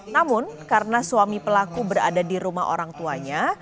namun karena suami pelaku berada di rumah orang tuanya